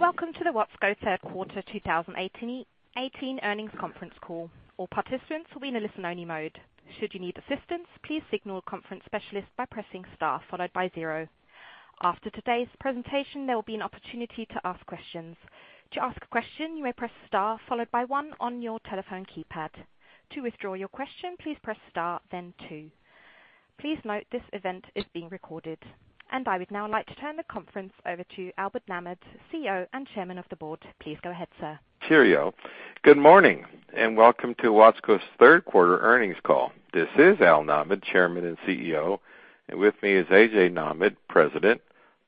Welcome to the Watsco third quarter 2018 earnings conference call. All participants will be in an only listen mode, should you need assistance please signal the conference specialist by pressing star followed by zero. After today's presentation there will be an opportunity to ask questions. To ask a question you may press star followed by one on your telephone keypad. To withdrawal your question please press star then two. Please note this event is being recorded. I would now like to turn the conference over to Albert Nahmad, CEO and Chairman of the Board. Please go ahead, sir. Cheerio. Good morning, and welcome to Watsco's third quarter earnings call. This is Al Nahmad, Chairman and CEO, and with me is A.J. Nahmad, President,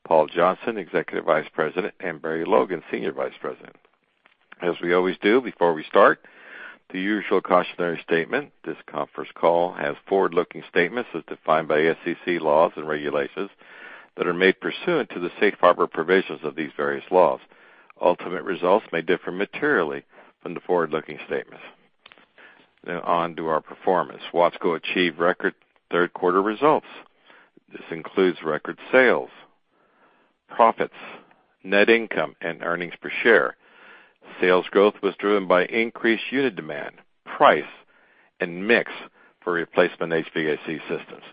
Paul Johnston, Executive Vice President, and Barry Logan, Senior Vice President. As we always do before we start, the usual cautionary statement. This conference call has forward-looking statements as defined by SEC laws and regulations that are made pursuant to the safe harbor provisions of these various laws. Ultimate results may differ materially from the forward-looking statements. Now on to our performance. Watsco achieved record third quarter results. This includes record sales, profits, net income, and earnings per share. Sales growth was driven by increased unit demand, price, and mix for replacement HVAC systems.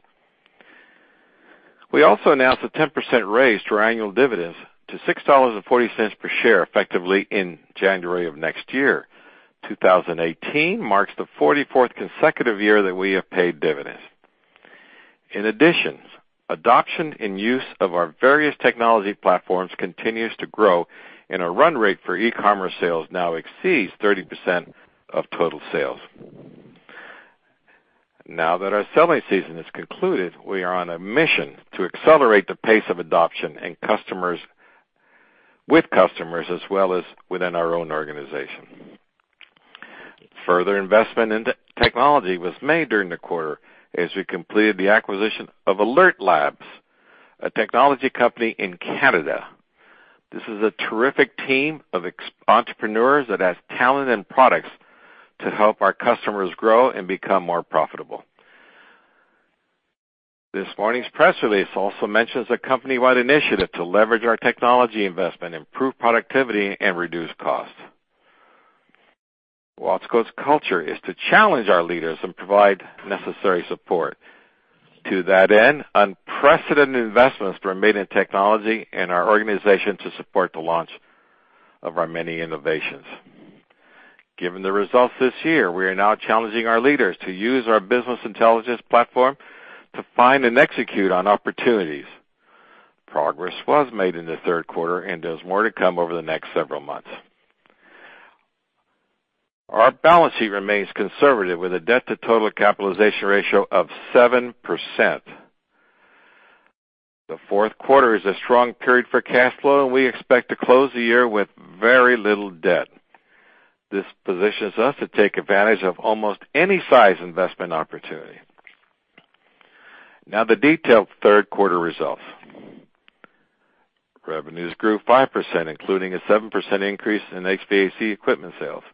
We also announced a 10% raise to our annual dividends to $6.40 per share effectively in January of next year. 2018 marks the 44th consecutive year that we have paid dividends. In addition, adoption and use of our various technology platforms continues to grow, and our run rate for e-commerce sales now exceeds 30% of total sales. Now that our selling season is concluded, we are on a mission to accelerate the pace of adoption with customers as well as within our own organization. Further investment into technology was made during the quarter as we completed the acquisition of Alert Labs, a technology company in Canada. This is a terrific team of entrepreneurs that has talent and products to help our customers grow and become more profitable. This morning's press release also mentions a company-wide initiative to leverage our technology investment, improve productivity, and reduce costs. Watsco's culture is to challenge our leaders and provide necessary support. To that end, unprecedented investments were made in technology and our organization to support the launch of our many innovations. Given the results this year, we are now challenging our leaders to use our business intelligence platform to find and execute on opportunities. Progress was made in the third quarter and there's more to come over the next several months. Our balance sheet remains conservative with a debt to total capitalization ratio of 7%. The fourth quarter is a strong period for cash flow, and we expect to close the year with very little debt. This positions us to take advantage of almost any size investment opportunity. Now the detailed third quarter results. Revenues grew 5%, including a 7% increase in HVAC equipment sales.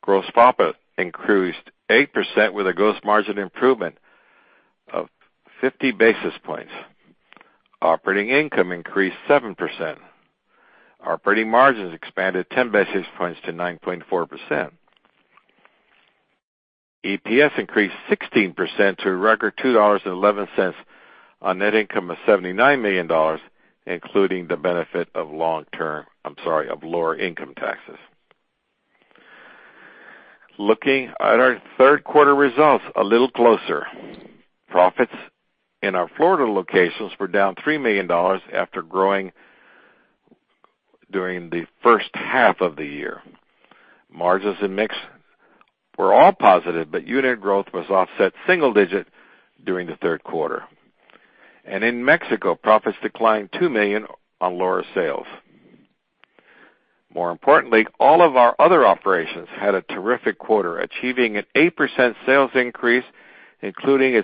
Gross profit increased 8% with a gross margin improvement of 50 basis points. Operating income increased 7%. Operating margins expanded 10 basis points to 9.4%. EPS increased 16% to a record $2.11 on net income of $79 million, including the benefit of lower income taxes. Looking at our third quarter results a little closer. Profits in our Florida locations were down $3 million after growing during the 1st half of the year. Margins and mix were all positive, unit growth was offset single-digit during the third quarter. In Mexico, profits declined $2 million on lower sales. More importantly, all of our other operations had a terrific quarter, achieving an 8% sales increase, including an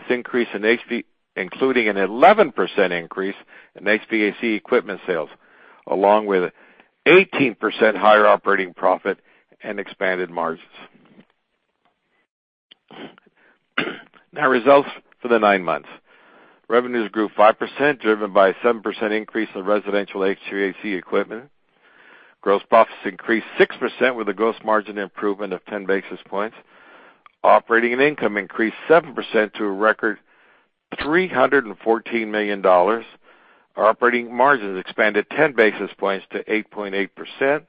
11% increase in HVAC equipment sales, along with 18% higher operating profit and expanded margins. Now results for the nine months. Revenues grew 5%, driven by a 7% increase in residential HVAC equipment. Gross profits increased 6% with a gross margin improvement of 10 basis points. Operating and income increased 7% to a record $314 million. Our operating margins expanded 10 basis points to 8.8%,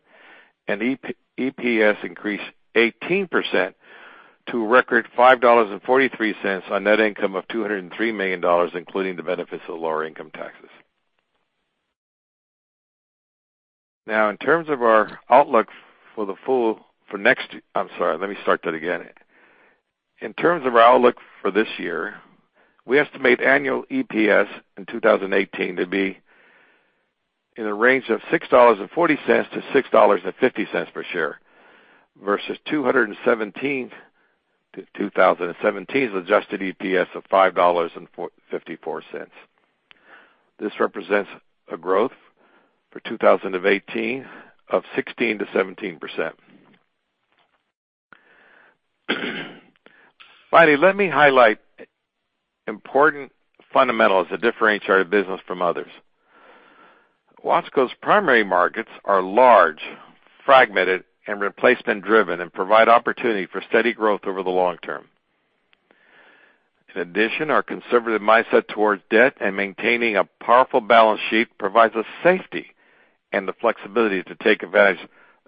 and EPS increased 18% to a record $5.43 on net income of $203 million, including the benefits of lower income taxes. In terms of our outlook for this year, we estimate annual EPS in 2018 to be in a range of $6.40-$6.50 per share versus 2017's adjusted EPS of $5.54. This represents a growth for 2018 of 16%-17%. Finally, let me highlight important fundamentals that differentiate our business from others. Watsco's primary markets are large, fragmented, and replacement driven and provide opportunity for steady growth over the long term. In addition, our conservative mindset towards debt and maintaining a powerful balance sheet provides us safety and the flexibility to take advantage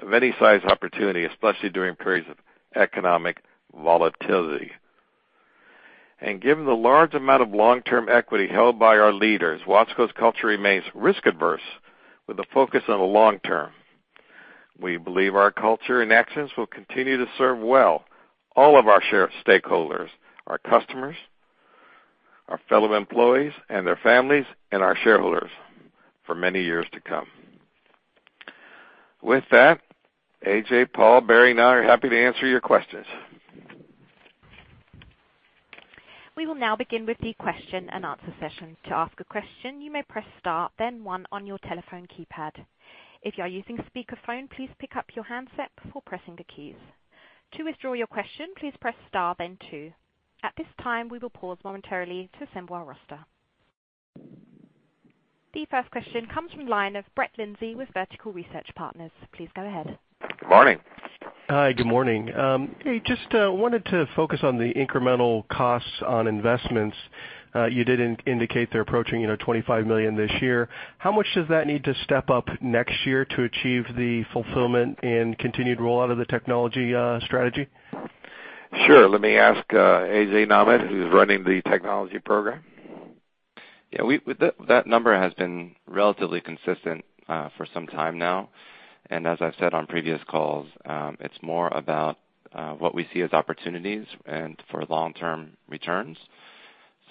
of any size opportunity, especially during periods of economic volatility. Given the large amount of long-term equity held by our leaders, Watsco's culture remains risk-averse with a focus on the long term. We believe our culture and actions will continue to serve well all of our stakeholders, our customers, our fellow employees and their families, and our shareholders for many years to come. With that, A.J., Paul, Barry, and I are happy to answer your questions. We will now begin with the question-and-answer session. To ask a question, you may press star, then one on your telephone keypad. If you are using speakerphone, please pick up your handset before pressing the keys. To withdraw your question, please press star then two. At this time, we will pause momentarily to assemble our roster. The first question comes from the line of Brett Linzey with Vertical Research Partners. Please go ahead. Good morning. Hi. Good morning. hey, just wanted to focus on the incremental costs on investments. You did indicate they're approaching, you know, $25 million this year. How much does that need to step up next year to achieve the fulfillment and continued rollout of the technology strategy? Sure. Let me ask A.J. Nahmad, who's running the technology program. Yeah, that number has been relatively consistent for some time now. As I've said on previous calls, it's more about what we see as opportunities and for long-term returns.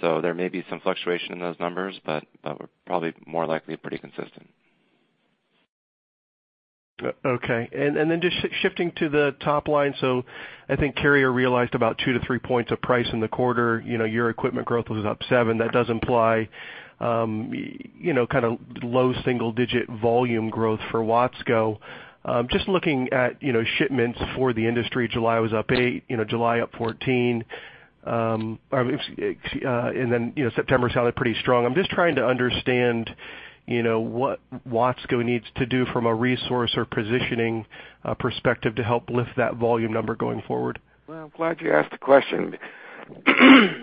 There may be some fluctuation in those numbers, but we're probably more likely pretty consistent. Okay. Just shifting to the top line. I think Carrier realized about two to three points of price in the quarter. You know, your equipment growth was up seven. That does imply, you know, kind of low single-digit volume growth for Watsco. Just looking at, you know, shipments for the industry, July was up eight, you know, July up 14. You know, September sounded pretty strong. I'm just trying to understand, you know, what Watsco needs to do from a resource or positioning perspective to help lift that volume number going forward. Well, I'm glad you asked the question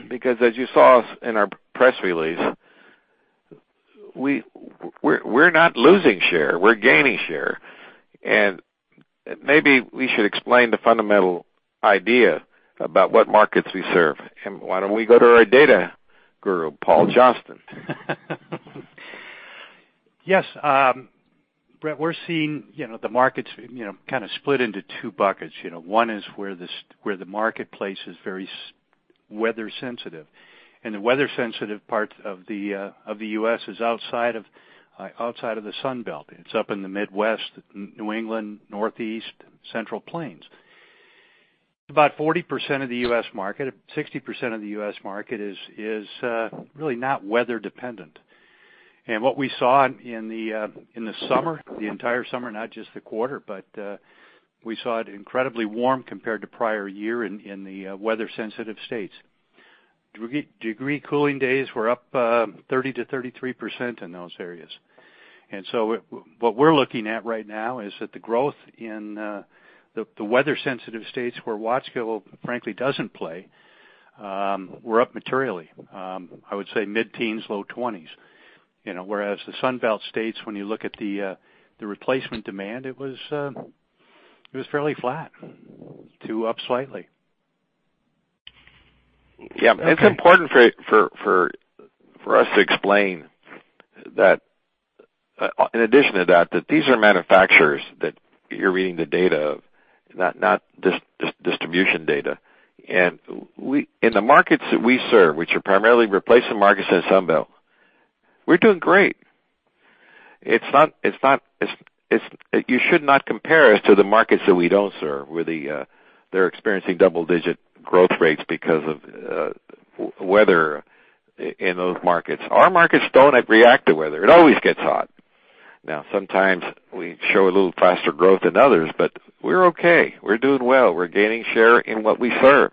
because as you saw us in our press release, we're not losing share, we're gaining share. Maybe we should explain the fundamental idea about what markets we serve. Why don't we go to our data guru, Paul Johnston? Brett, we're seeing, you know, the markets, you know, kind of split into two buckets. You know, one is where the marketplace is very weather sensitive, and the weather sensitive part of the U.S. is outside of the Sun Belt. It's up in the Midwest, New England, Northeast, Central Plains. About 40% of the U.S. market, 60% of the U.S. market is really not weather dependent. What we saw in the summer, the entire summer, not just the quarter, but we saw it incredibly warm compared to prior year in the weather sensitive states. Degree cooling days were up 30%-33% in those areas. What we're looking at right now is that the growth in the weather sensitive states where Watsco frankly doesn't play, were up materially, I would say mid-teens, low twenties. You know, whereas the Sun Belt states, when you look at the replacement demand, it was fairly flat to up slightly. Yeah. Okay. It's important for us to explain that, in addition to that these are manufacturers that you're reading the data of, not distribution data. In the markets that we serve, which are primarily replacement markets in Sun Belt, we're doing great. It's not, it's You should not compare us to the markets that we don't serve, where they're experiencing double-digit growth rates because of weather in those markets. Our markets don't react to weather. It always gets hot. Now, sometimes we show a little faster growth than others, but we're okay. We're doing well. We're gaining share in what we serve.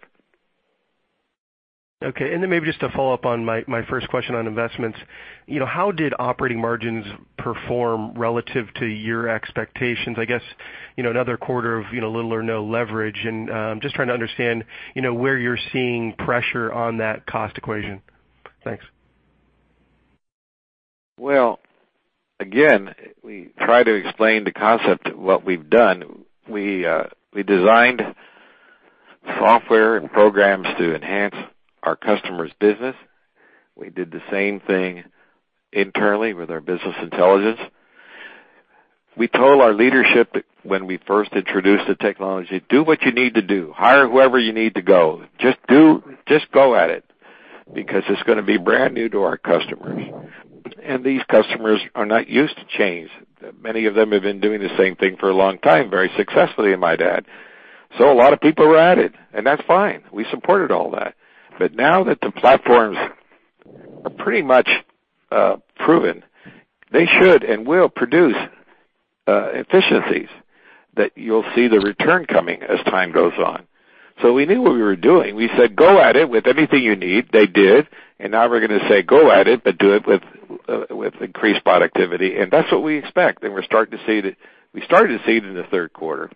Okay. Then maybe just to follow up on my first question on investments, you know, how did operating margins perform relative to your expectations? I guess, you know, another quarter of, you know, little or no leverage. Just trying to understand, you know, where you're seeing pressure on that cost equation. Thanks. Well, again, we try to explain the concept of what we've done. We designed software and programs to enhance our customers' business. We did the same thing internally with our business intelligence. We told our leadership when we first introduced the technology, "Do what you need to do. Hire whoever you need to go. Just go at it, because it's gonna be brand new to our customers." These customers are not used to change. Many of them have been doing the same thing for a long time, very successfully, I might add. A lot of people were added, and that's fine. We supported all that. Now that the platform's pretty much proven they should and will produce efficiencies that you'll see the return coming as time goes on. We knew what we were doing. We said, "Go at it with everything you need." They did. Now we're gonna say, "Go at it, but do it with increased productivity." That's what we expect, and we're starting to see that. We started to see it in the third quarter.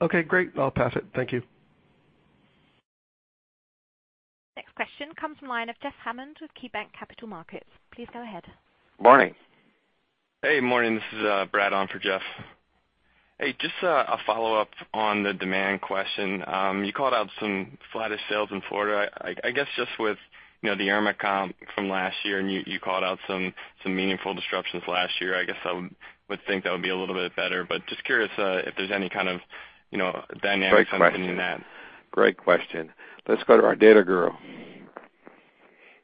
Okay, great. I'll pass it. Thank you. Next question comes from line of Jeff Hammond with KeyBanc Capital Markets. Please go ahead. Morning. Hey, morning. This is Brad on for Jeff. Just a follow-up on the demand question. You called out some flattest sales in Florida. I guess, just with, you know, the Irma comp from last year, and you called out some meaningful disruptions last year. I guess I would think that would be a little bit better, but just curious if there's any kind of, you know, dynamics underpinning that. Great question. Let's go to our data guru.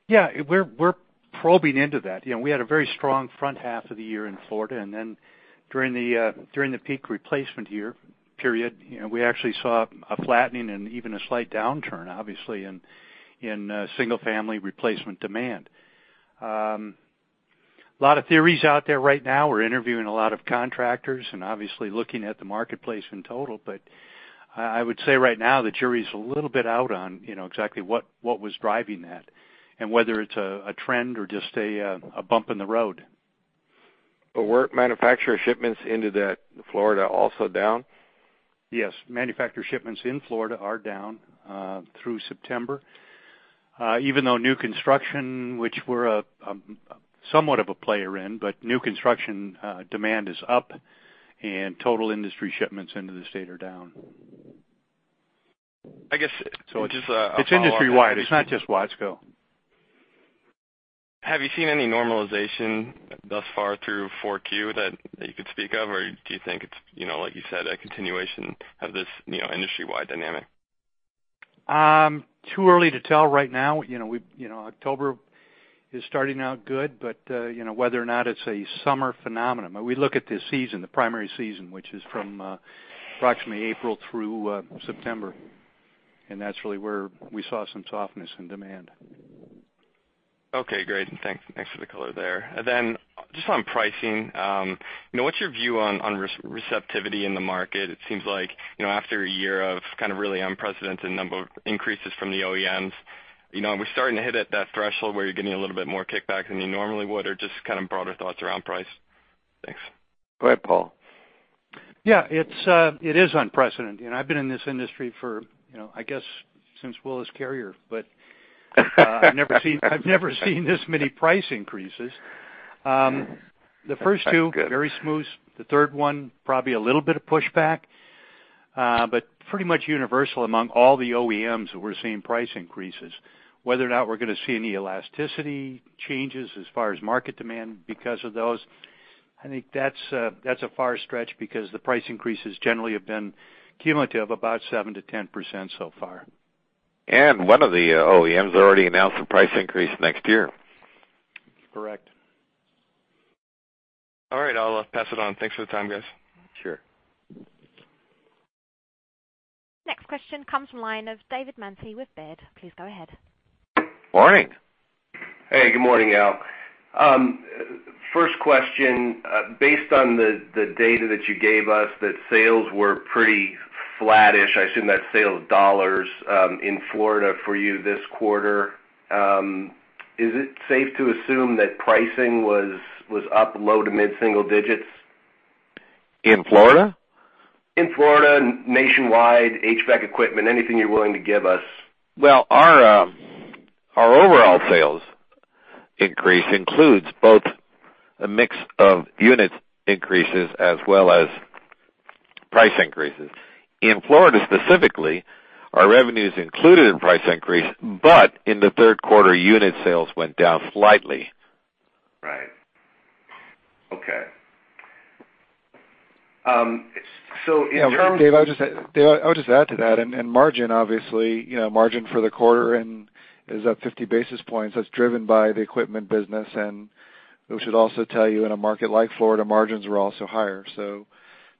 Yeah, we're probing into that. You know, we had a very strong front half of the year in Florida, and then during the peak replacement year period, you know, we actually saw a flattening and even a slight downturn, obviously, in single-family replacement demand. Lot of theories out there right now. We're interviewing a lot of contractors and obviously looking at the marketplace in total. I would say right now, the jury's a little bit out on, you know, exactly what was driving that and whether it's a trend or just a bump in the road. Were manufacturer shipments into that Florida also down? Yes. Manufacturer shipments in Florida are down through September. Even though new construction, which we're a somewhat of a player in, but new construction demand is up and total industry shipments into the state are down. I guess, just a follow-up on that. It's industry-wide. It's not just Watsco. Have you seen any normalization thus far through 4Q that you could speak of? Or do you think it's, you know, like you said, a continuation of this, you know, industry-wide dynamic? Too early to tell right now. You know, October is starting out good. You know, whether or not it's a summer phenomenon. We look at the season, the primary season, which is from approximately April through September, and that's really where we saw some softness in demand. Okay, great. Thanks for the color there. Just on pricing, you know, what's your view on receptivity in the market? It seems like, you know, after a year of kind of really unprecedented number of increases from the OEMs, you know, are we starting to hit at that threshold where you're getting a little bit more kickback than you normally would, or just kind of broader thoughts around price? Thanks. Go ahead, Paul. Yeah, it's, it is unprecedented. You know, I've been in this industry for, I guess since Willis Carrier, I've never seen this many price increases. The first two, very smooth. The third one, probably a little bit of pushback. Pretty much universal among all the OEMs that we're seeing price increases. Whether or not we're gonna see any elasticity changes as far as market demand because of those, I think that's a far stretch because the price increases generally have been cumulative, about 7%-10% so far. One of the OEMs already announced a price increase next year. Correct. All right, I'll pass it on. Thanks for the time, guys. Sure. Next question comes from line of David Manthey with Baird. Please go ahead. Morning. Hey, good morning, Al. First question. Based on the data that you gave us that sales were pretty flattish, I assume that's sales dollars, in Florida for you this quarter, is it safe to assume that pricing was up low to mid-single digits? In Florida? In Florida, nationwide, HVAC equipment, anything you're willing to give us. Our overall sales increase includes both a mix of unit increases as well as price increases. In Florida specifically, our revenues included in price increase, but in the third quarter, unit sales went down slightly. Right. Okay. Yeah, Dave, I would just add to that. Margin obviously, you know, margin for the quarter is up 50 basis points. That's driven by the equipment business, and we should also tell you, in a market like Florida, margins were also higher. In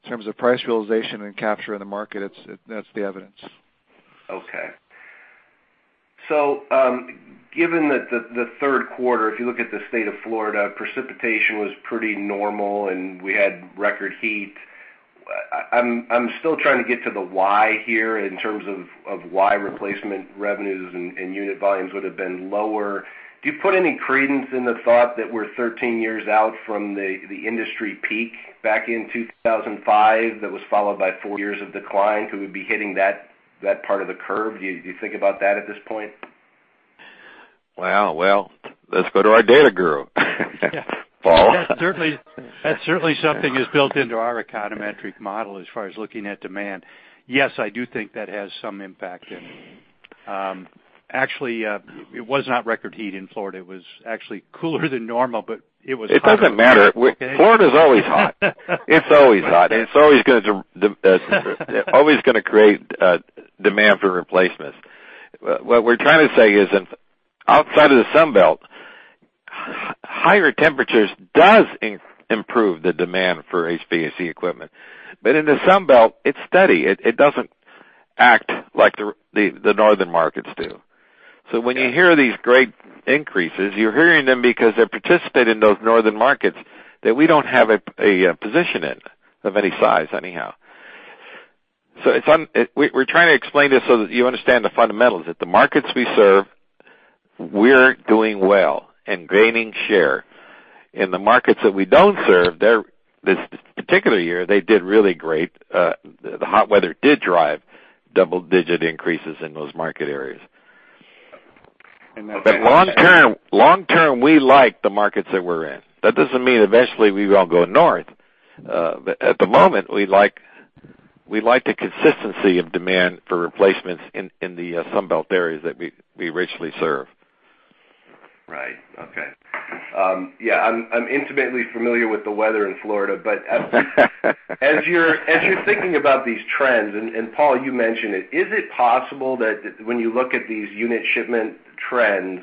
terms of price realization and capture in the market, that's the evidence. Given that the third quarter, if you look at the state of Florida, precipitation was pretty normal, and we had record heat. I'm still trying to get to the why here in terms of why replacement revenues and unit volumes would have been lower. Do you put any credence in the thought that we're 13 years out from the industry peak back in 2005 that was followed by four years of decline? Could we be hitting that part of the curve? Do you think about that at this point? Wow. Let's go to our data guru. Yeah. Paul. That's certainly something is built into our econometric model as far as looking at demand. Yes, I do think that has some impact. Actually, it was not record heat in Florida. It was actually cooler than normal, but it was hot enough. It doesn't matter. Okay. Florida's always hot. It's always hot, and it's always gonna create demand for replacements. What we're trying to say is outside of the Sunbelt, higher temperatures does improve the demand for HVAC equipment. In the Sunbelt, it's steady. It doesn't act like the northern markets do. When you hear these great increases, you're hearing them because they participate in those northern markets that we don't have a position in, of any size anyhow. We're trying to explain this so that you understand the fundamentals, that the markets we serve, we're doing well and gaining share. In the markets that we don't serve, this particular year, they did really great. The hot weather did drive double-digit increases in those market areas. And that- Long term, we like the markets that we're in. That doesn't mean eventually we won't go north. At the moment, we like the consistency of demand for replacements in the Sunbelt areas that we originally serve. Right. Okay. yeah, I'm intimately familiar with the weather in Florida, but as you're thinking about these trends, and Paul, you mentioned it, is it possible that when you look at these unit shipment trends,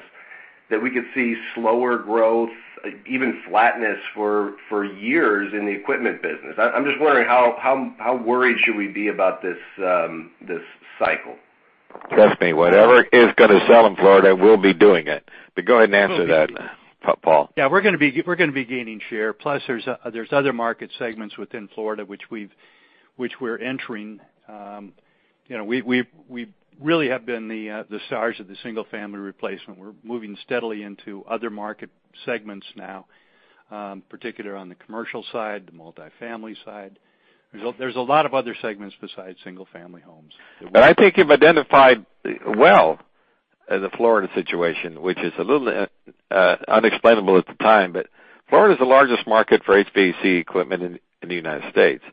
that we could see slower growth, even flatness for years in the equipment business? I'm just wondering how worried should we be about this cycle? Trust me, whatever is gonna sell in Florida, we'll be doing it. Go ahead and answer that, Paul. We're gonna be gaining share. There's other market segments within Florida which we're entering. You know, we've really have been the czars of the single family replacement. We're moving steadily into other market segments now, particularly on the commercial side, the multifamily side. There's a lot of other segments besides single family homes. I think you've identified well the Florida situation, which is a little unexplainable at the time, but Florida is the largest market for HVAC equipment in the United States.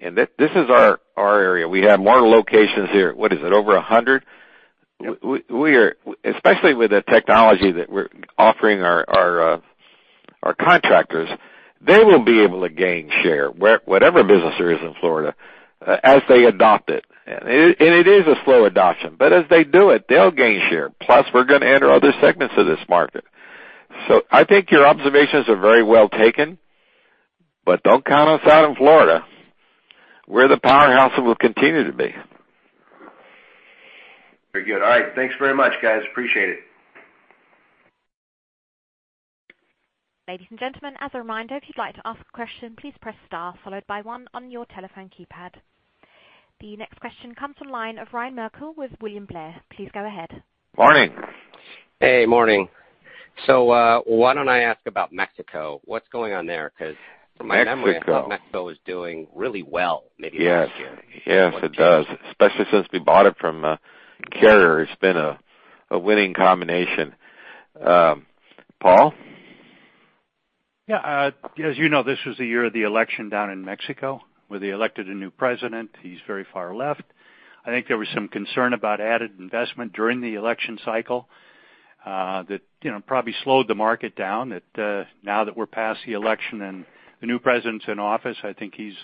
This is our area. We have more locations here. What is it? Over 100. Yep. We are especially with the technology that we're offering our contractors, they will be able to gain share whatever business there is in Florida as they adopt it. It is a slow adoption, but as they do it, they'll gain share. Plus, we're gonna enter other segments of this market. I think your observations are very well taken, but don't count us out in Florida. We're the powerhouse and will continue to be. Very good. All right. Thanks very much, guys. Appreciate it. Ladies and gentlemen, as a reminder, if you'd like to ask a question, please press star followed by one on your telephone keypad. The next question comes from the line of Ryan Merkel with William Blair. Please go ahead. Morning. Hey. Morning. Why don't I ask about Mexico? What's going on there? Mexico. I thought Mexico was doing really well maybe this year. Yes. Yes, it does. Especially since we bought it from Carrier, it's been a winning combination. Paul? Yeah. As you know, this was the year of the election down in Mexico, where they elected a new president. He's very far left. I think there was some concern about added investment during the election cycle, that, you know, probably slowed the market down. Now that we're past the election and the new president's in office, I think he's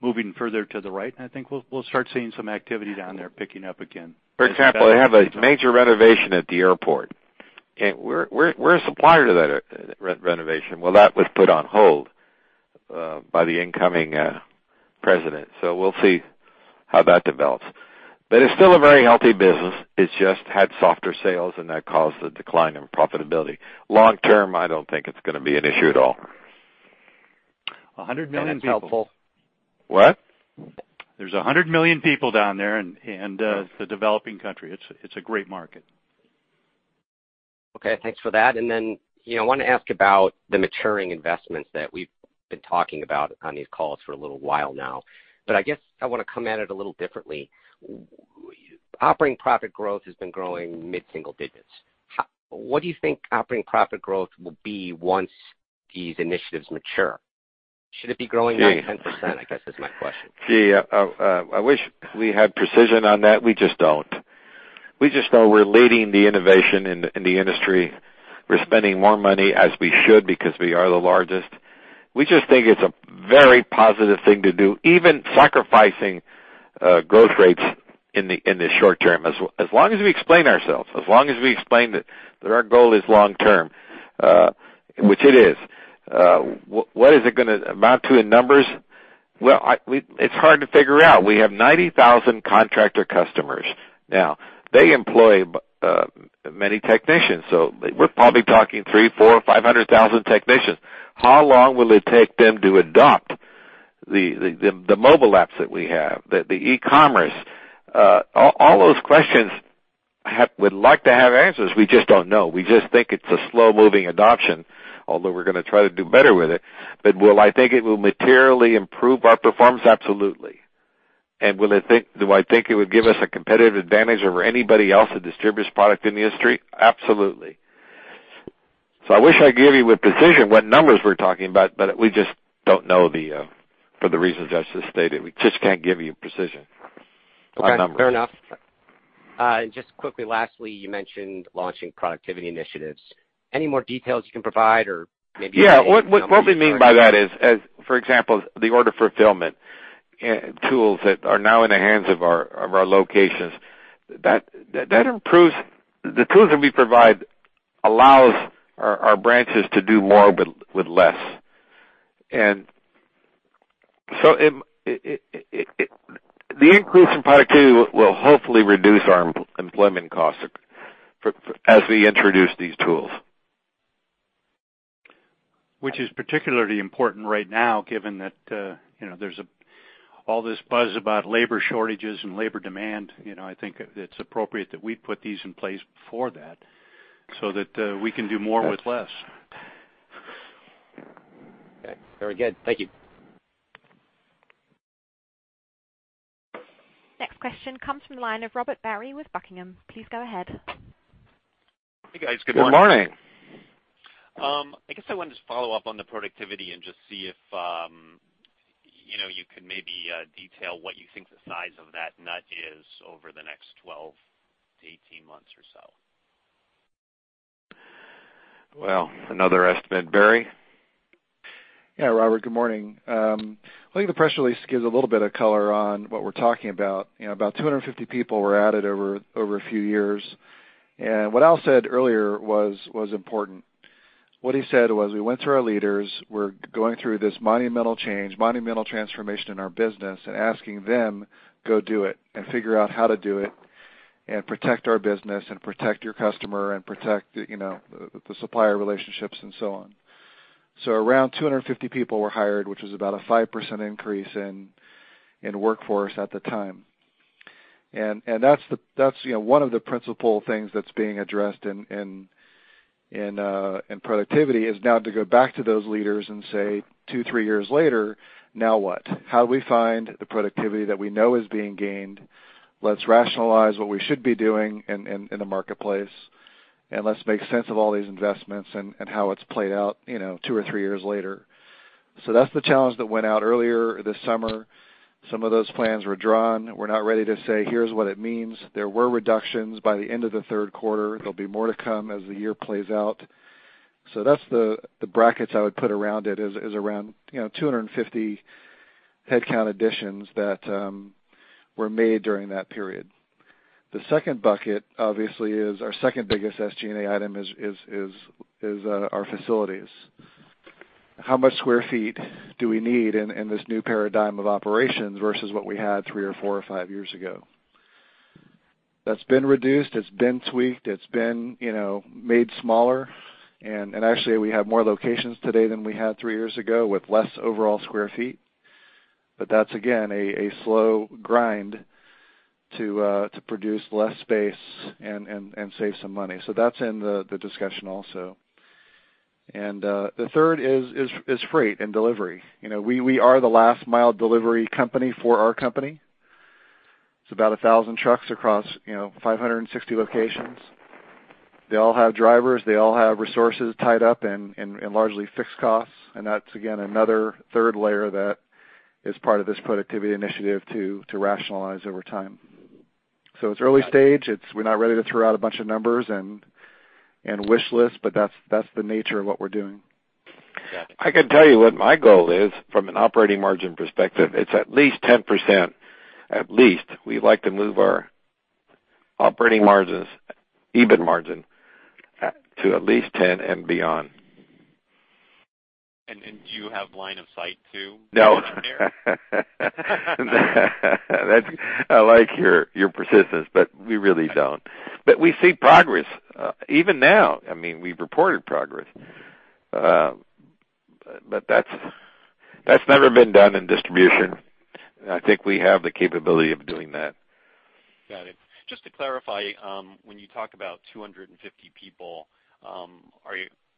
moving further to the right, and I think we'll start seeing some activity down there picking up again. For example, they have a major renovation at the airport, and we're a supplier to that re-renovation. Well, that was put on hold by the incoming president. We'll see how that develops. It's still a very healthy business. It's just had softer sales, and that caused the decline in profitability. Long term, I don't think it's gonna be an issue at all. A 100 million people. That's helpful. What? There's a 100 million people down there and, it's a developing country. It's a great market. Okay. Thanks for that. You know, I wanna ask about the maturing investments that we've been talking about on these calls for a little while now, but I guess I wanna come at it a little differently. Operating profit growth has been growing mid-single digits. What do you think operating profit growth will be once these initiatives mature? Should it be growing at 10%, I guess is my question. Gee, I wish we had precision on that. We just don't. We just know we're leading the innovation in the industry. We're spending more money, as we should, because we are the largest. We just think it's a very positive thing to do, even sacrificing growth rates in the short term, as long as we explain ourselves, as long as we explain that our goal is long term, which it is. What is it gonna amount to in numbers? Well, it's hard to figure out. We have 90,000 contractor customers. Now, they employ many technicians, so we're probably talking 300,000, 400,000, 500,000 technicians. How long will it take them to adopt the mobile apps that we have, the e-commerce? All those questions, we'd like to have answers. We just don't know. We just think it's a slow-moving adoption, although we're gonna try to do better with it. Do I think it will materially improve our performance? Absolutely. Do I think it would give us a competitive advantage over anybody else that distributes product in the industry? Absolutely. I wish I could give you with precision what numbers we're talking about, but we just don't know the, for the reasons I just stated. We just can't give you precision on numbers. Okay. Fair enough. Just quickly, lastly, you mentioned launching productivity initiatives. Any more details you can provide? Yeah. What we mean by that is, for example, the order fulfillment and tools that are now in the hands of our locations. That improves. The tools that we provide allows our branches to do more but with less. The increase in productivity will hopefully reduce our employment costs as we introduce these tools. Which is particularly important right now given that, you know, there's all this buzz about labor shortages and labor demand. You know, I think it's appropriate that we put these in place before that so that, we can do more with less. Okay. Very good. Thank you. Next question comes from the line of Robert Barry with Buckingham. Please go ahead. Hey, guys. Good morning. Good morning. I guess I wanted to follow up on the productivity and just see if, you know, you could maybe detail what you think the size of that nut is over the next 12-18 months or so. Well, another estimate. Barry? Yeah. Robert, good morning. I think the press release gives a little bit of color on what we're talking about. You know, about 250 people were added over a few years. What Al said earlier was important. What he said was, we went to our leaders, we're going through this monumental change, monumental transformation in our business and asking them, "Go do it and figure out how to do it and protect our business and protect your customer and protect, you know, the supplier relationships and so on." Around 250 people were hired, which was about a 5% increase in workforce at the time. That's, you know, one of the principal things that's being addressed in productivity, is now to go back to those leaders and say two, three years later, "Now what? How do we find the productivity that we know is being gained? Let's rationalize what we should be doing in the marketplace, and let's make sense of all these investments and how it's played out, you know, two or three years later." That's the challenge that went out earlier this summer. Some of those plans were drawn. We're not ready to say, "Here's what it means." There were reductions by the end of the third quarter. There'll be more to come as the year plays out. That's the brackets I would put around it, is around, you know, 250 headcount additions that were made during that period. The second bucket, obviously, is our second-biggest SG&A item is our facilities. How much square feet do we need in this new paradigm of operations versus what we had three or four or five years ago? That's been reduced, it's been tweaked, it's been, you know, made smaller. Actually, we have more locations today than we had three years ago with less overall square feet. That's, again, a slow grind to produce less space and save some money. That's in the discussion also. The third is freight and delivery. You know, we are the last mile delivery company for our company. It's about 1,000 trucks across, you know, 560 locations. They all have drivers, they all have resources tied up and largely fixed costs. That's again, another third layer that is part of this productivity initiative to rationalize over time. It's early stage. We're not ready to throw out a bunch of numbers and wish lists, but that's the nature of what we're doing. Got it. I can tell you what my goal is from an operating margin perspective. It's at least 10%, at least. We'd like to move our operating margins, EBIT margin, to at least 10 and beyond. Do you have line of sight to? No. Get down there? I like your persistence, we really don't. We see progress even now. I mean, we've reported progress. That's never been done in distribution. I think we have the capability of doing that. Got it. Just to clarify, when you talk about 250 people,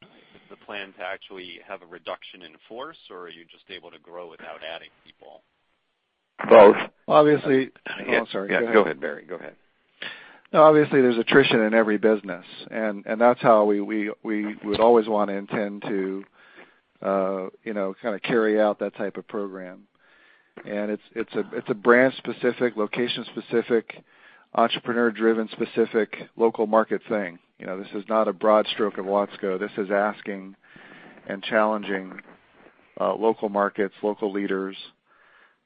is the plan to actually have a reduction in force, or are you just able to grow without adding people? Both. Obviously. Oh, sorry. Go ahead. Go ahead, Barry. Go ahead. Obviously, there's attrition in every business and that's how we would always want to intend to, you know, kind of carry out that type of program. It's a brand-specific, location-specific, entrepreneur-driven specific local market thing. You know, this is not a broad stroke of Watsco. This is asking and challenging local markets, local leaders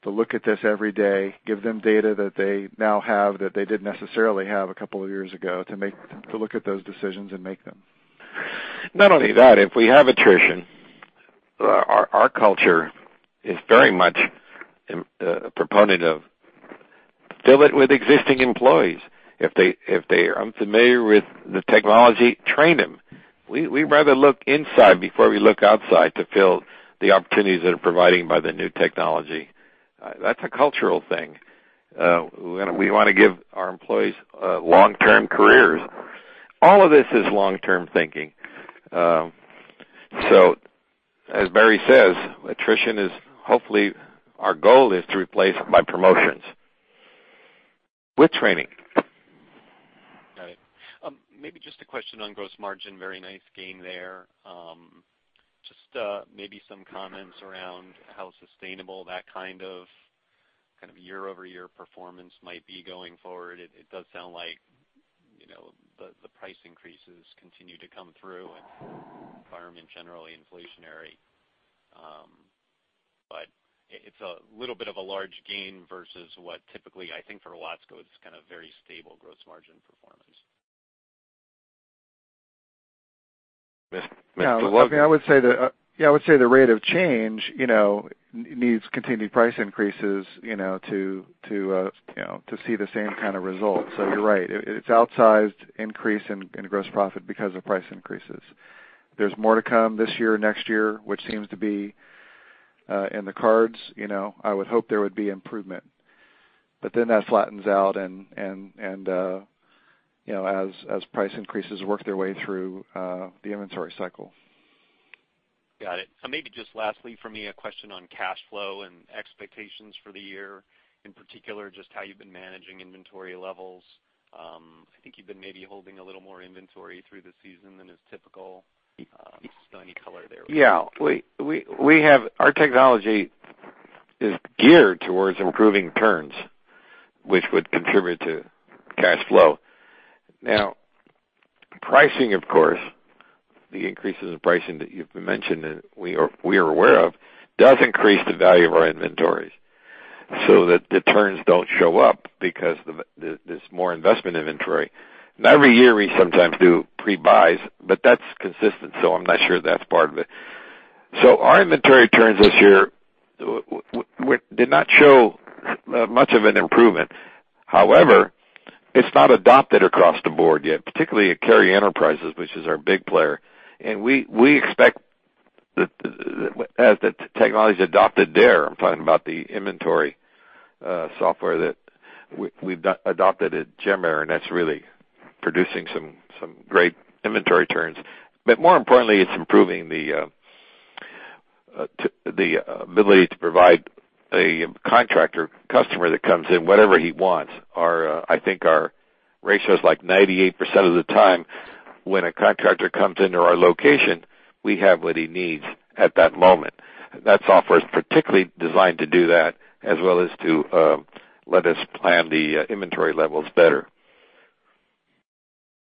to look at this every day, give them data that they now have that they didn't necessarily have a couple of years ago to look at those decisions and make them. Not only that, if we have attrition, our culture is very much a proponent of fill it with existing employees. If they aren't familiar with the technology, train them. We'd rather look inside before we look outside to fill the opportunities that are provided by the new technology. That's a cultural thing. We wanna give our employees long-term careers. All of this is long-term thinking. As Barry says, attrition is hopefully our goal is to replace by promotions with training. Got it. Maybe just a question on gross margin. Very nice gain there. Just maybe some comments around how sustainable that kind of year-over-year performance might be going forward. It does sound like, you know, the price increases continue to come through and environment generally inflationary. It's a little bit of a large gain versus what typically I think for Watsco is kind of very stable gross margin performance. With I would say the rate of change, you know, needs continued price increases, you know, to, you know, to see the same kind of results. You're right. It, it's outsized increase in gross profit because of price increases. There's more to come this year, next year, which seems to be in the cards. You know, I would hope there would be improvement. That flattens out and, you know, as price increases work their way through the inventory cycle. Got it. Maybe just lastly for me, a question on cash flow and expectations for the year, in particular, just how you've been managing inventory levels. I think you've been maybe holding a little more inventory through the season than is typical. Any color there would be great. Yeah. We have Our technology is geared towards improving turns, which would contribute to cash flow. Pricing, of course, the increases in pricing that you've mentioned and we are aware of, does increase the value of our inventories so that the turns don't show up because there's more investment inventory. Every year, we sometimes do pre-buys, but that's consistent, so I'm not sure that's part of it. Our inventory turns this year did not show much of an improvement. However, it's not adopted across the board yet, particularly at Carrier Enterprise, which is our big player. We expect that as the technology is adopted there, I'm talking about the inventory software that we've adopted at Gemaire, and that's really producing some great inventory turns. More importantly, it's improving the ability to provide a contractor customer that comes in whatever he wants. Our I think our ratio is like 98% of the time when a contractor comes into our location, we have what he needs at that moment. That software is particularly designed to do that as well as to let us plan the inventory levels better.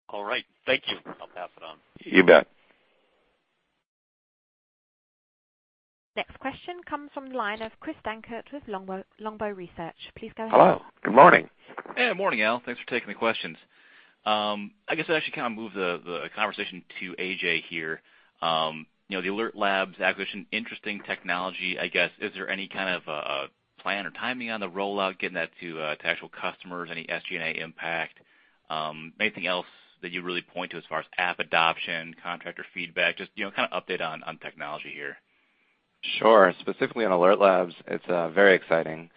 All right. Thank you. I'll pass it on. You bet. Next question comes from the line of Chris Dankert with Longbow Research. Please go ahead. Hello. Good morning. Hey, morning, Al. Thanks for taking the questions. I guess I should kind of move the conversation to AJ here. You know, the Alert Labs acquisition, interesting technology. I guess, is there any kind of plan or timing on the rollout, getting that to actual customers? Any SG&A impact? Anything else that you really point to as far as app adoption, contractor feedback? Just, you know, kind of update on technology here. Sure. Specifically on Alert Labs, it's very exciting.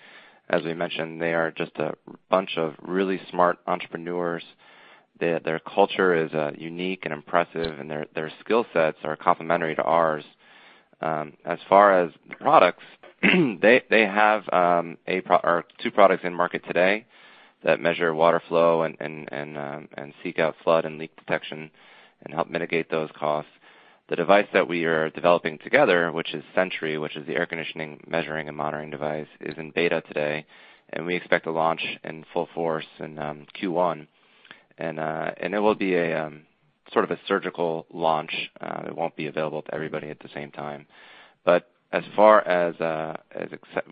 As we mentioned, they are just a bunch of really smart entrepreneurs. Their culture is unique and impressive, and their skill sets are complementary to ours. As far as the products, they have two products in market today that measure water flow and seek out flood and leak detection and help mitigate those costs. The device that we are developing together, which is Sentree, which is the air conditioning measuring and monitoring device, is in beta today, and we expect to launch in full force in Q1. It will be a sort of a surgical launch. It won't be available to everybody at the same time. As far as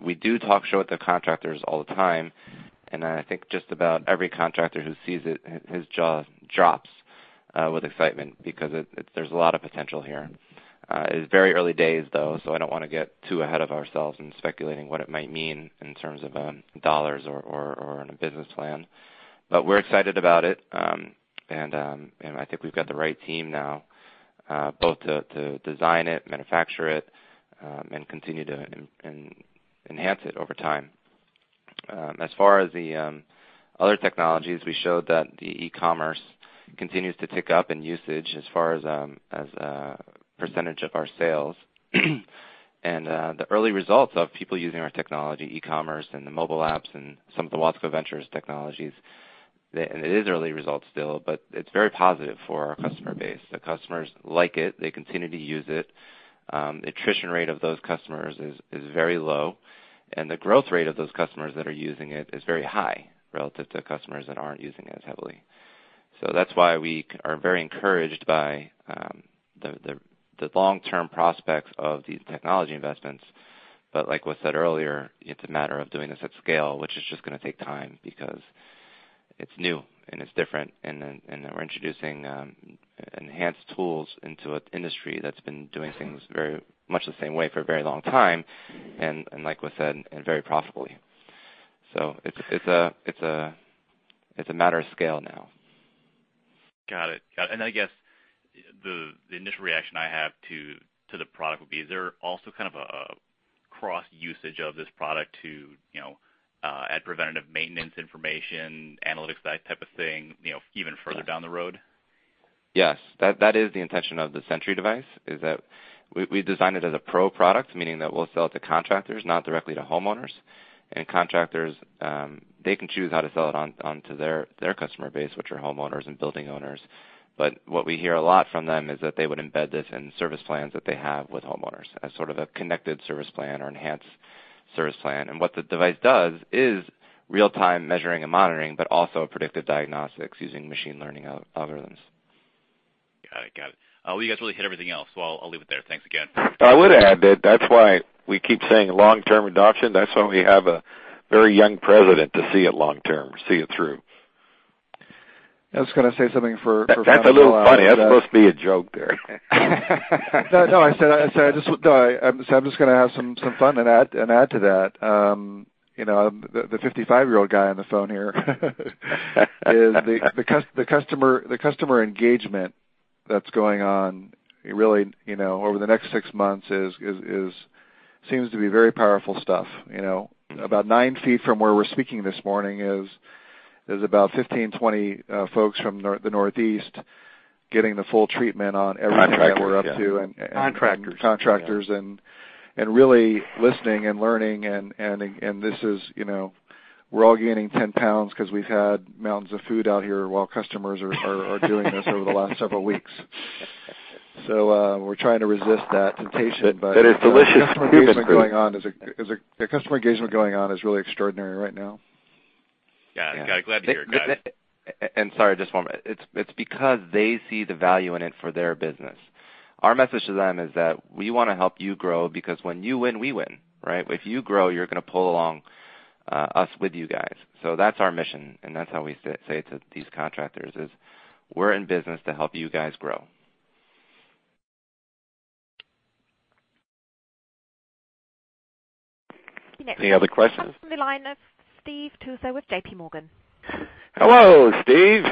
we do talk, show it to contractors all the time, and I think just about every contractor who sees it, his jaw drops with excitement because there's a lot of potential here. It's very early days, though, so I don't wanna get too ahead of ourselves in speculating what it might mean in terms of dollars or in a business plan. We're excited about it. I think we've got the right team now both to design it, manufacture it, and continue to enhance it over time. As far as the other technologies, we showed that the e-commerce continues to tick up in usage as far as a % of our sales. The early results of people using our technology, e-commerce and the mobile apps and some of the Watsco Ventures technologies, and it is early results still, but it's very positive for our customer base. The customers like it. They continue to use it. Attrition rate of those customers is very low, and the growth rate of those customers that are using it is very high relative to customers that aren't using it as heavily. That's why we are very encouraged by the long-term prospects of these technology investments. Like was said earlier, it's a matter of doing this at scale, which is just gonna take time because it's new and it's different, and we're introducing enhanced tools into an industry that's been doing things very much the same way for a very long time and like was said, and very profitably. It's a matter of scale now. Got it. I guess the initial reaction I have to the product would be, is there also kind of a cross usage of this product to, you know, add preventative maintenance information, analytics, that type of thing, you know, even further down the road? Yes. That is the intention of the Sentree device, is that we designed it as a pro product, meaning that we'll sell it to contractors, not directly to homeowners. Contractors, they can choose how to sell it onto their customer base, which are homeowners and building owners. What we hear a lot from them is that they would embed this in service plans that they have with homeowners as sort of a connected service plan or enhanced service plan. What the device does is real-time measuring and monitoring, but also predictive diagnostics using machine learning algorithms. Got it. Well, you guys really hit everything else. Well, I'll leave it there. Thanks again. I would add that that's why we keep saying long-term adoption. That's why we have a very young president to see it long-term, see it through. I was gonna say something for. That's a little funny. That's supposed to be a joke there. No, no, I said, I'm just gonna have some fun and add to that. You know, the 55-year-old guy on the phone here is the customer engagement that's going on really, you know, over the next six months is, seems to be very powerful stuff, you know. About 9 ft from where we're speaking this morning is about 15, 20 folks from the Northeast getting the full treatment on everything. Contractors, yeah. That we're up to and. Contractors. Contractors and really listening and learning and this is, you know, we're all gaining 10 lbs 'cause we've had mountains of food out here while customers are doing this over the last several weeks. We're trying to resist that temptation. It's delicious human food. The customer engagement going on is really extraordinary right now. Yeah. Yeah, glad to hear it, guys. Sorry, just one more. It's because they see the value in it for their business. Our message to them is that we wanna help you grow because when you win, we win, right? If you grow, you're gonna pull along us with you guys. That's our mission, and that's how we say it to these contractors is, "We're in business to help you guys grow. Next- Any other questions? Comes from the line of Steve Tusa with JPMorgan. Hello, Steve.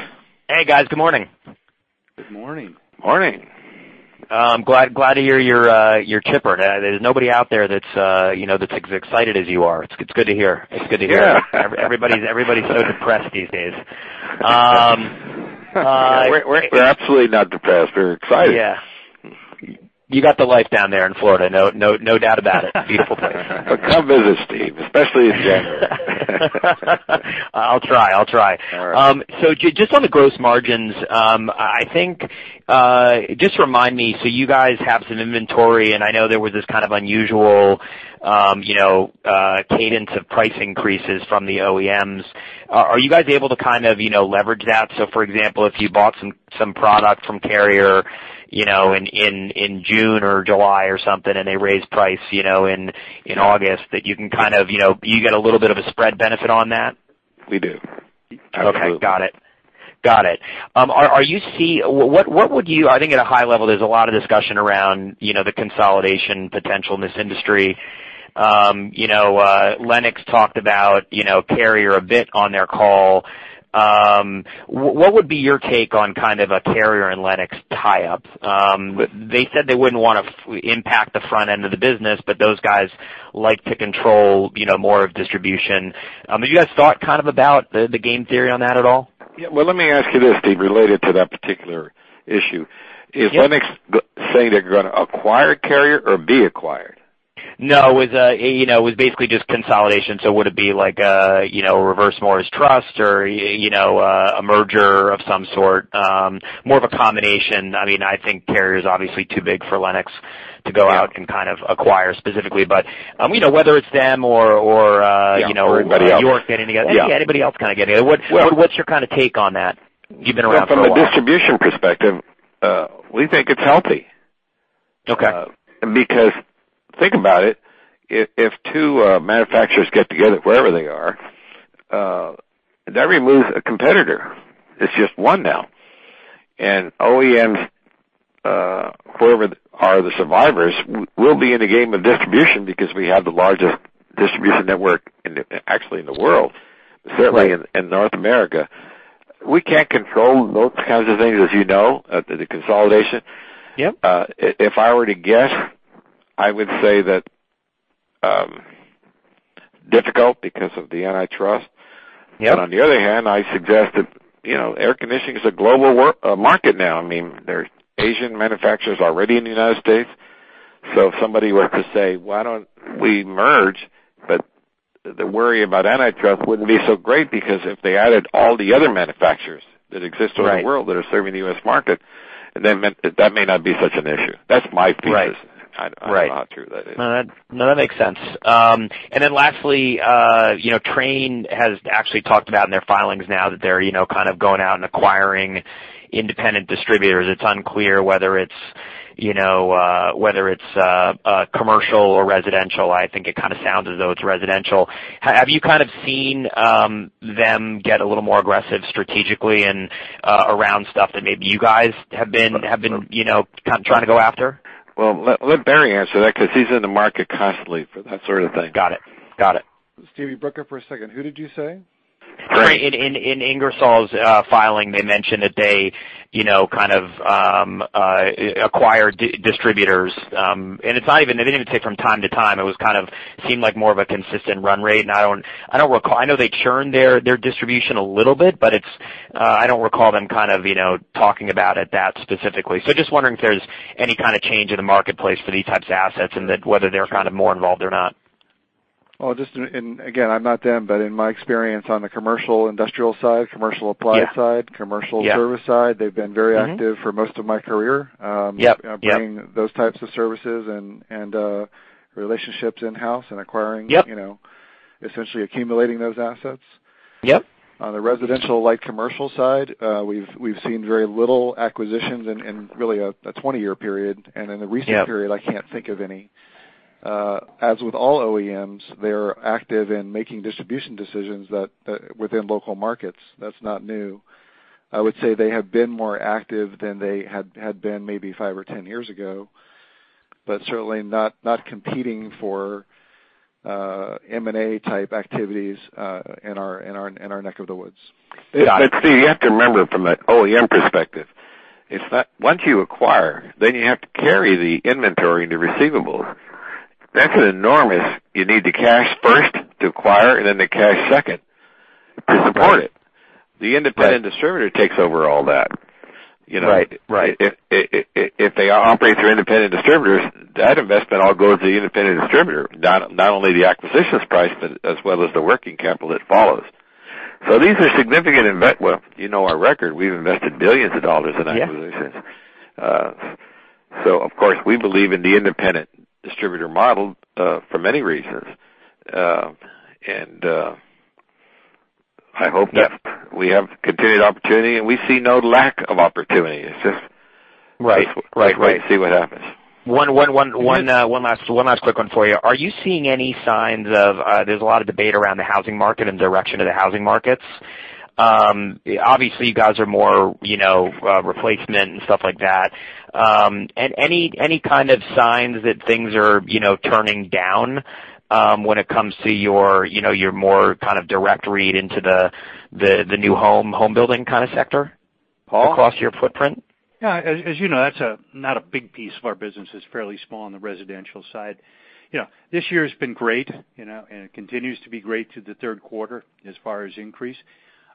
Hey, guys. Good morning. Good morning. Morning. Glad to hear you're chipper. There's nobody out there that's, you know, that's as excited as you are. It's good to hear. It's good to hear. Yeah. Everybody's so depressed these days. we're We're absolutely not depressed. We're excited. Yeah. You got the life down there in Florida, no doubt about it. Beautiful place. Come visit, Steve, especially in January. I'll try. I'll try. All right. Just on the gross margins, I think, just remind me? You guys have some inventory, and I know there was this kind of unusual, you know, cadence of price increases from the OEMs. Are you guys able to kind of, you know, leverage that? For example, if you bought some product from Carrier, you know, in June or July or something, and they raised price, you know, in August, that you can kind of, you know, you get a little bit of a spread benefit on that? We do. Okay. Absolutely. Got it. Got it. What would you? I think at a high level, there's a lot of discussion around, you know, the consolidation potential in this industry. You know, Lennox talked about, you know, Carrier a bit on their call. What would be your take on kind of a Carrier and Lennox tie-up? They said they wouldn't wanna impact the front end of the business, but those guys like to control, you know, more of distribution. Have you guys thought kind of about the game theory on that at all? Well, let me ask you this, Steve, related to that particular issue. Yeah. Is Lennox saying they're gonna acquire Carrier or be acquired? No. It was, you know, it was basically just consolidation. Would it be like, you know, Reverse Morris Trust or, you know, a merger of some sort? More of a combination. I mean, I think Carrier is obviously too big for Lennox to go out and kind of acquire specifically. You know, whether it's them or, you know. Yeah. Anybody else. York getting together. Yeah, anybody else kinda getting in. Well- What's your kinda take on that? You've been around for a while. From a distribution perspective, we think it's healthy. Okay. Because think about it. If two manufacturers get together, wherever they are, that removes a competitor. It's just one now. OEMs, whoever are the survivors, will be in the game of distribution because we have the largest distribution network actually in the world. Right. Certainly in North America. We can't control those kinds of things, as you know, the consolidation. Yep. If I were to guess, I would say that difficult because of the antitrust. Yep. On the other hand, I suggest that, you know, air conditioning is a global market now. I mean, there are Asian manufacturers already in the United States. If somebody were to say, "Why don't we merge?" The worry about antitrust wouldn't be so great because if they added all the other manufacturers that exist around the world. Right That are serving the U.S. market, then that may not be such an issue. That's my thesis. Right. Right. I'm not sure that is. No, that makes sense. Lastly, you know, Trane has actually talked about in their filings now that they're, you know, kind of going out and acquiring independent distributors. It's unclear whether it's, you know, whether it's commercial or residential. I think it kinda sounds as though it's residential. Have you kind of seen them get a little more aggressive strategically and around stuff that maybe you guys have been, you know, kind of trying to go after? Well, let Barry answer that 'cause he's in the market constantly for that sort of thing. Got it. Got it. Steve, you broke up for a second. Who did you say? In Ingersoll Rand's filing, they mentioned that they, you know, kind of, acquire distributors. It's not even, they didn't even say from time to time, it was kind of seemed like more of a consistent run rate. I don't recall. I know they churn their distribution a little bit, but it's, I don't recall them kind of, you know, talking about it that specifically. Just wondering if there's any kind of change in the marketplace for these types of assets and that whether they're kind of more involved or not? Well, just in, again, I'm not them, but in my experience on the commercial industrial side, commercial applied side. Yeah. Commercial service side. They've been very active for most of my career. Yep. Yep. Bringing those types of services and relationships in-house. Yep You know, essentially accumulating those assets. Yep. On the residential light commercial side, we've seen very little acquisitions in really a 20-year period. In the recent period. Yeah I can't think of any. As with all OEMs, they're active in making distribution decisions that within local markets. That's not new. I would say they have been more active than they had been maybe five or 10 years ago, but certainly not competing for M&A type activities in our neck of the woods. Yeah. See, you have to remember from the OEM perspective, Once you acquire, then you have to carry the inventory and the receivables. You need the cash first to acquire and then the cash second to support it. Right. The independent distributor takes over all that, you know. Right. Right. If they operate through independent distributors, that investment all goes to the independent distributor, not only the acquisitions price, but as well as the working capital that follows. These are significant invest. Well, you know our record. We've invested billions of dollars in acquisitions. Yeah. Of course, we believe in the independent distributor model, for many reasons. I hope that we have continued opportunity, and we see no lack of opportunity. Right. Right, right We'll see what happens. One last quick one for you. Are you seeing any signs of, there's a lot of debate around the housing market and direction of the housing markets. Obviously, you guys are more, you know, replacement and stuff like that. Any kind of signs that things are, you know, turning down when it comes to your, you know, your more kind of direct read into the new home building kind of sector? Paul? Across your footprint? Yeah. As you know, that's not a big piece of our business. It's fairly small on the residential side. You know, this year has been great, you know, and it continues to be great through the third quarter as far as increase.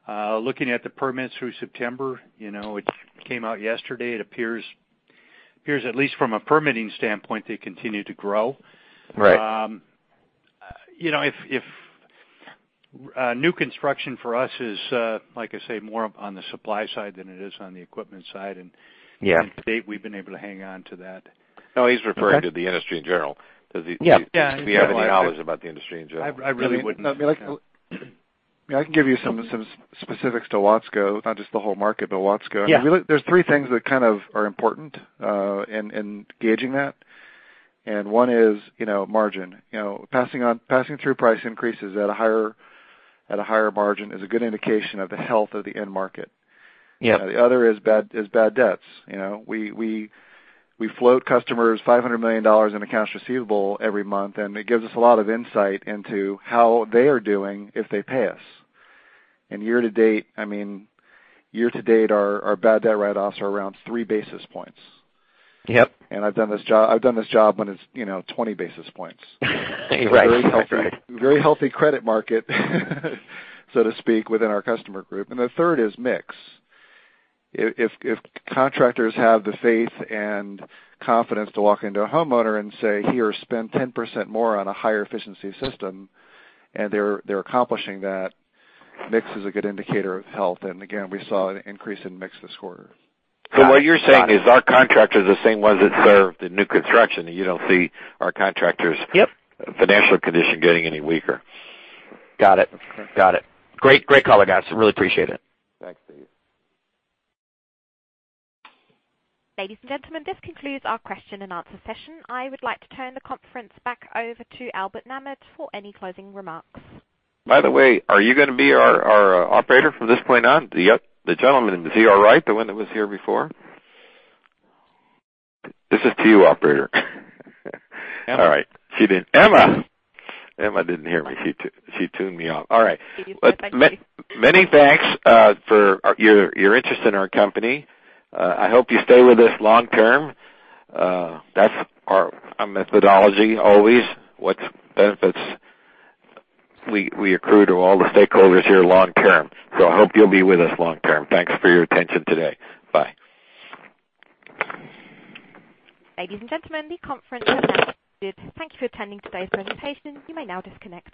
Looking at the permits through September, you know, it came out yesterday, it appears at least from a permitting standpoint, they continue to grow. Right. You know, if new construction for us is, like I say, more on the supply side than it is on the equipment side. Yeah To date, we've been able to hang on to that. No, he's referring to the industry in general. Yeah. Yeah, Does he have any knowledge about the industry in general? I really wouldn't. I mean, like, I can give you some specifics to Watsco, not just the whole market, but Watsco. Yeah. I mean, really, there's three things that kind of are important in gauging that. One is, you know, margin. You know, passing through price increases at a higher margin is a good indication of the health of the end market. Yeah. The other is bad debts. You know, we float customers $500 million in accounts receivable every month. It gives us a lot of insight into how they are doing if they pay us. Year to date, I mean, year to date, our bad debt write-offs are around 3 basis points. Yep. I've done this job when it's, you know, 20 basis points. Right. Very healthy credit market, so to speak, within our customer group. The third is mix. If contractors have the faith and confidence to walk into a homeowner and say, "Here, spend 10% more on a higher efficiency system," and they're accomplishing that, mix is a good indicator of health. Again, we saw an increase in mix this quarter. What you're saying is our contractors, the same ones that served in new construction, you don't see our contractors- Yep Financial condition getting any weaker. Got it. Great call, guys. Really appreciate it. Thanks, Steve. Ladies and gentlemen, this concludes our question-and-answer session. I would like to turn the conference back over to Albert Nahmad for any closing remarks. Are you going to be our operator from this point on? The gentleman, is he all right, the one that was here before? This is to you, operator. All right. Emma didn't hear me. She tuned me off. All right. She's back, actually. Many thanks for your interest in our company. I hope you stay with us long term. That's our methodology always. What benefits we accrue to all the stakeholders here long term. I hope you'll be with us long term. Thanks for your attention today. Bye. Ladies and gentlemen, the conference has ended. Thank you for attending today's presentation. You may now disconnect.